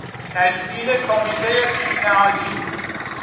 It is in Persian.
تشکیل کمیتهی پیشنهادی